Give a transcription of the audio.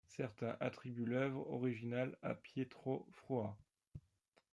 Certains attribuent l'œuvre originale à Pietro Frua.